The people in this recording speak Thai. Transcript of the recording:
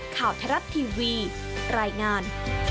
ข่าวทรัพย์ทีวีรายงาน